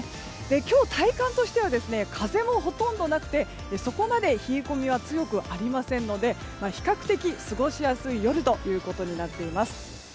今日、体感としては風もほとんどなくてそこまで冷え込みは強くありませんので比較的過ごしやすい夜となっています。